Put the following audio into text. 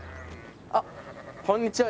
あこんにちは。